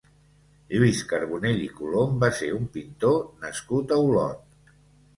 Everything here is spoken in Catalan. Lluís Carbonell i Colom va ser un pintor nascut a Olot.